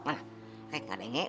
eh enggak enggak